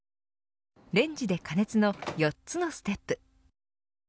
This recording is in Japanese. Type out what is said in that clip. レンジで加熱の４つのステップ。